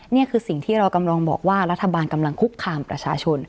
นี่คือสิ่งที่เรากำลังบอกว่ารัฐบาลกำลังคุกคามประชาชน